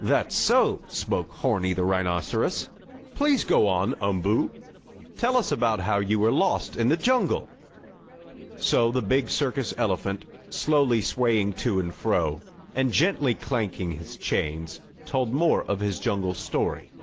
"That's so," spoke Horni, the rhinoceros. "Please go on, Umboo. Tell us about how you were lost in the jungle." So the big circus elephant, slowly swaying to and fro, and gently clanking his chains, told more of his jungle story.